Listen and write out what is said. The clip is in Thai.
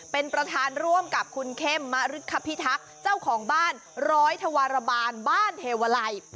เป็นประธานร่วมกับคุณเข้มมะฤทธพิทักษ์เจ้าของบ้านร้อยธวรบาลบ้านเทวาลัย